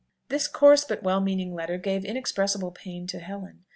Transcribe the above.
'" This coarse but well meaning letter gave inexpressible pain to Helen.